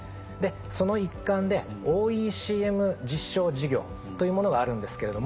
その一環でＯＥＣＭ実証事業というものがあるんですけれども。